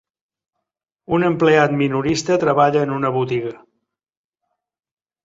Un empleat minorista treballa en una botiga.